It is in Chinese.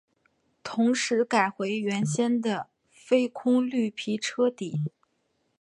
同时改回原先的非空绿皮车底。